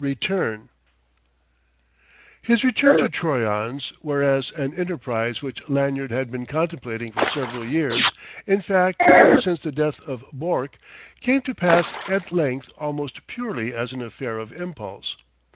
II RETURN His return to Troyon's, whereas an enterprise which Lanyard had been contemplating for several years in fact, ever since the death of Bourke came to pass at length almost purely as an affair of impulse.